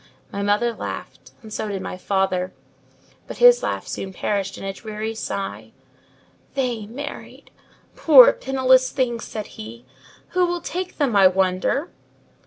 My mother laughed, and so did my father: but his laugh soon perished in a dreary sigh. "They married—poor penniless things!" said he; "who will take them I wonder!"